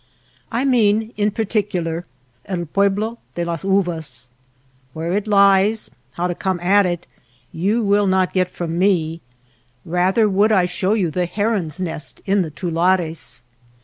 I mean in particular El Pueblo de Las Uvas. Where it lies, how to come at it, you will not get from me; rather would I show you the heron's nest in the tulares.